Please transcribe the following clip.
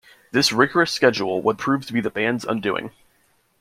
This rigorous schedule would prove to be the band's undoing.